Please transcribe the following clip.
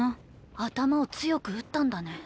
頭を強く打ったんだね。